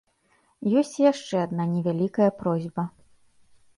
Ёсць і яшчэ адна невялікая просьба.